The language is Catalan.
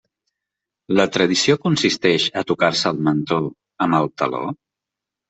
La tradició consisteix a tocar-se el mentó amb el taló?